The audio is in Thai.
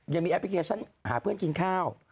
แอปพลิเคชันหาเพื่อนกินข้าว